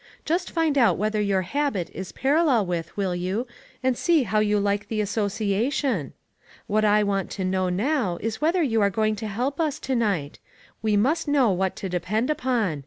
Just find out what your habit is parallel with, will you, and see how you like the association ? What I want to know now is whether you are coming to help us to night? We must know what to depend upon.